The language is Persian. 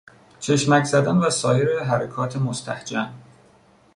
چشمک زدن و سایر حرکات مستهجن